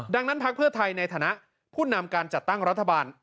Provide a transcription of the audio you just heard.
ดังนั้นพักเพื่อไทยในฐานะผู้นำการจัดตั้งรัฐบาล